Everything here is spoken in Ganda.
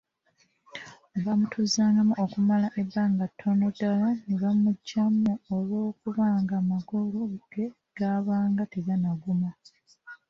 Baamutuuzangamu okumala ebbanga ttono ddala ne bamuggyamu olw’okubanga amagumba ge gaabanga tegannaguma.